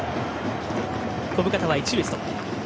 小深田は一塁ストップ。